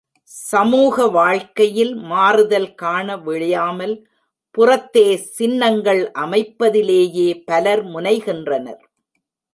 சமூக வாழ்க்கையில் மாறுதல் காண விழையாமல் புறத்தே சின்னங்கள் அமைப்பதிலேயே பலர் முனைகின்றனர்.